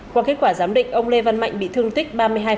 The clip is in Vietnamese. qua kết quả giám định ông lê văn mạnh bị thương tích ba mươi hai